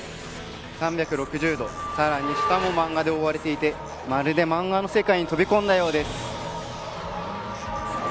３６０度、しかも下も漫画で覆われていてまるで漫画の世界に飛び込んだようです。